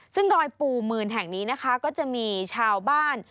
ซึ่งรอยปูมืนแห่งนี้นะคะก็จะมีชาวบ้าน